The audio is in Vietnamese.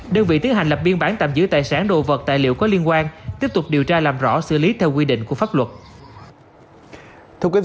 đơn vị tiến hành lập biên bản tạm giữ tài sản đồ vật tài liệu có liên quan tiếp tục điều tra làm rõ xử lý theo quy định của pháp luật